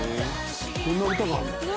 こんな歌があるの？）